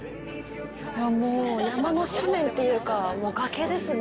もう山の斜面っていうか、崖ですね